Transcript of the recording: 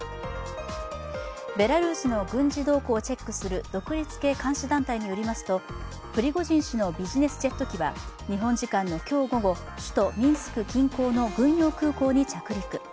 ベラルーシの軍事動向をチェックする、独立系監視団体によりますと、プリゴジン氏のビジネスジェット機は日本時間の今日午後、首都ミンスク近郊の軍用空港に着陸。